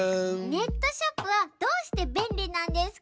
ネットショップはどうしてべんりなんですか？